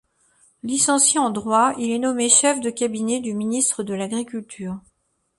Licencié en droit, il est nommé chef de cabinet du ministre de l'Agriculture.